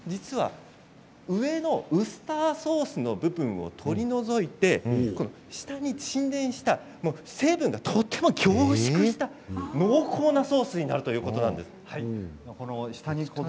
上のウスターソースの部分を取り除いて下に沈殿した成分がとても凝縮した濃厚なソースになるということなんです。